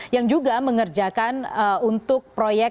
yang juga mengerjakan untuk proyek